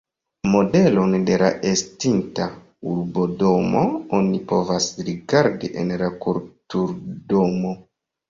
Modelon de la estinta urbodomo oni povas rigardi en la kulturdomo.